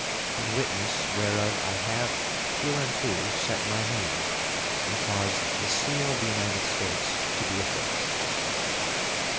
In witness whereof I have hereunto set my hand and caused the seal of the United States to be affixed.